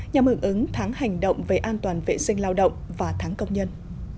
nhằm ứng ứng tháng hành động về an toàn vệ sinh lao động và tháng công nhân